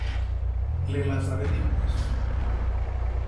Le las daré dimpués.